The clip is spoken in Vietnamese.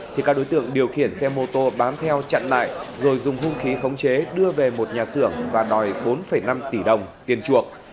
thì các đối tượng điều khiển xe mô tô bám theo chặn lại rồi dùng hung khí khống chế đưa về một nhà xưởng và đòi bốn năm tỷ đồng tiền chuộc